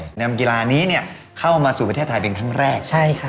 เรียนีกลมกีฬานี้เนี่ยเข้ามาสู่ประเทศไทยเป็นครั้งแรก